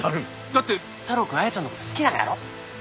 だって太郎くん彩ちゃんの事好きなんやろ？